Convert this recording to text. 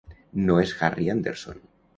No és Harry Anderson.